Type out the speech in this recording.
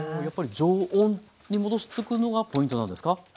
やっぱり常温に戻しておくのがポイントなんですか？